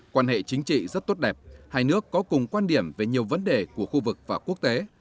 quan hệ chính trị rất tốt đẹp hai nước có cùng quan điểm về nhiều vấn đề của khu vực và quốc tế